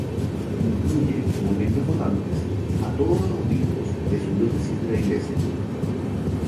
Incluye, como miembros votantes, a todos los Obispos de sus Diócesis de la Iglesia.